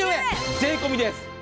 税込みです。